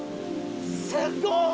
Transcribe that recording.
すごい！